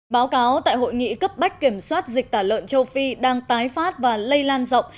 báo cáo tại hội nghị cấp bách kiểm soát dịch tả lợn châu phi đang tái phát và lây lan rộng